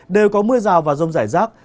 đều có mưa rào và rông rải rác